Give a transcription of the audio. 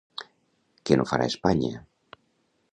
Què no farà Espanya?